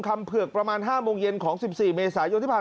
เผือกประมาณ๕โมงเย็นของ๑๔เมษายนที่ผ่านมา